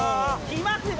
きますね。